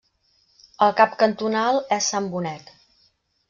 El cap cantonal és Sant Bonet.